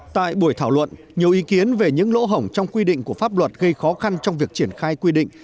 tại buổi thảo luận nhiều ý kiến về những lỗ hổng trong quy định của pháp luật gây khó khăn trong việc triển khai quy định